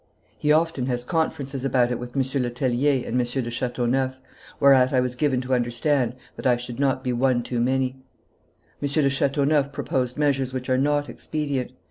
He often has conferences about it with M. Le Tellier and M. de Chateauneuf, whereat I was given to understand that I should not be one too many. M. de Chateauneuf proposed measures which are not expedient.